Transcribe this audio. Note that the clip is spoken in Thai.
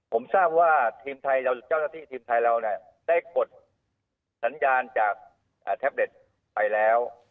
ผมทราบว่าทีมไทยเจ้าหน้าที่ทีมไทยเราได้กดสัญญาณจากแท็บเล็ตไปแล้ว